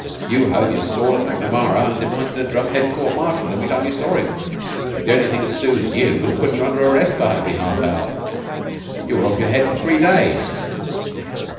You hove your sword at Macnamara and demanded a drum head court martial every time you saw him. The only thing that soothed you was putting you under arrest every half hour. You were off your head for three days."